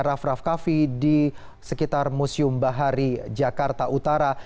raff raff kaffi di sekitar museum bahari jakarta utara